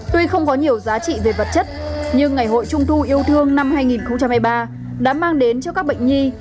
tuy không có nhiều giá trị về vật chất nhưng ngày hội trung thu yêu thương năm hai nghìn hai mươi ba đã mang đến cho các bệnh nhi